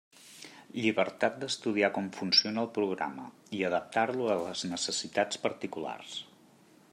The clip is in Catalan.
Llibertat d'estudiar com funciona el programa i adaptar-lo a les necessitats particulars.